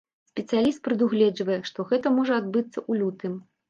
Спецыяліст прадугледжвае, што гэта можа адбыцца ў лютым.